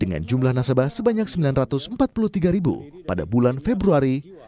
dengan jumlah nasabah sebanyak sembilan ratus empat puluh tiga ribu pada bulan februari